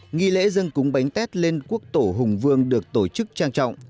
nghi lễ dân cúng bánh tết lên quốc tổ hùng vương được tổ chức trang trọng